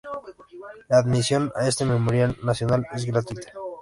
La admisión a este memorial nacional es gratuita.